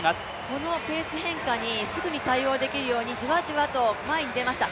このペース変化にすぐに対応できるように、ジワジワと前に出ました。